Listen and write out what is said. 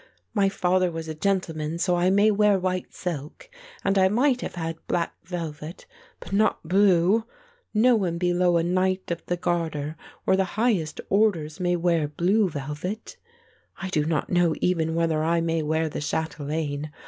My father was a gentleman so I may wear white silk, and I might have had black velvet, but not blue. No one below a Knight of the Garter or the highest orders may wear blue velvet. I do not know even whether I may wear the chatelaine.